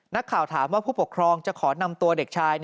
นักข่าวถามว่าผู้ปกครองจะขอนำตัวเด็กชาย